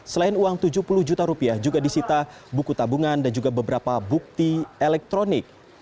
selain uang tujuh puluh juta rupiah juga disita buku tabungan dan juga beberapa bukti elektronik